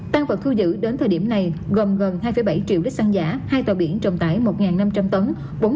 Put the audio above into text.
tăng vật thu giữ đến thời điểm này gồm gần hai bảy triệu lít xăng giả hai tờ biển trọng tải một năm trăm linh tấn